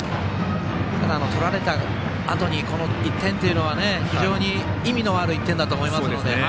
ただ、取られたあとにこの１点というのは非常に意味のある１点だと思いますので。